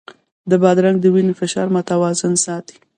بادرنګ د وینې فشار متوازن ساتي.